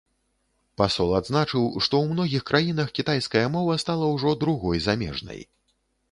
Пасол адзначыў, што ў многіх краінах кітайская мова стала ўжо другой замежнай.